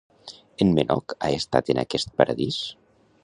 En Menoc ha estat en aquest Paradís?